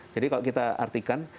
jadi kalau kita artikan